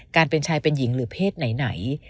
เป็นชายเป็นหญิงหรือเพศไหน